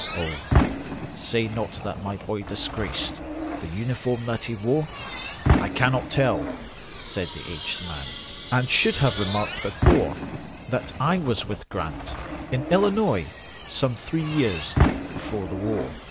Oh, say not that my boy disgracedThe uniform that he wore!""I cannot tell," said the aged man,"And should have remarked before, That I was with Grant,—in Illinois,—Some three years before the war."